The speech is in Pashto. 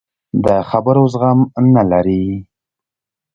د خبرو زغم نه لري.